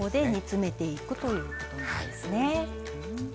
詰めていくということなんですね。